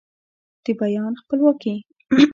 د بیان خپلواکي